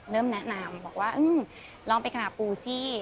เริ่มแนะนำบอกว่าลองไปขนาดปูสิ